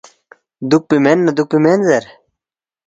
دُوکپی مین نہ دُوکپی مین زیر